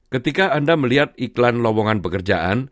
ketika anda melihat iklan lowongan pekerjaan